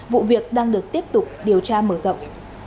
vụ việc đang được tiếp tục điều tra mở rộng